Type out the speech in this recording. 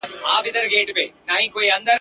په لاهور کي بیا ټومبلی بیرغ غواړم ..